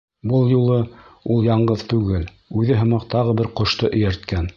Был юлы ул яңғыҙ түгел, үҙе һымаҡ тағы бер ҡошто эйәрткән.